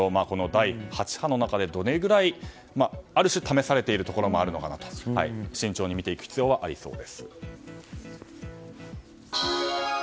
第８波の中でどれぐらいある種試されているところもあるのかなと慎重に見ていく必要はありそうです。